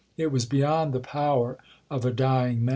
It was beyond the power of a dying man.